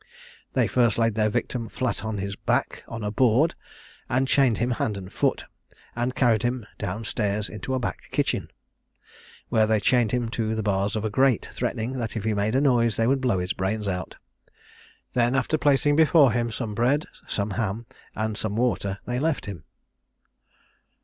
They first laid their victim flat on his back on a board, and chained him hand and foot, and then carried him down stairs into a back kitchen, where they chained him to the bars of a grate, threatening that if he made a noise they would blow his brains out. Then, after placing before him some bread, some ham, and some water, they left him.